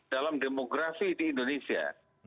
dalam demografi di indonesia